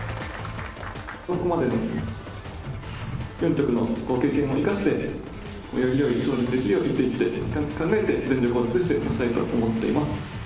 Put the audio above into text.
ここまでの４局の経験を生かして、よりよい将棋をできるように、一手一手深く考えて全力を尽くして指したいと思っています。